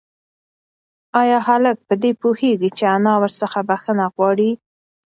ایا هلک په دې پوهېږي چې انا ورڅخه بښنه غواړي؟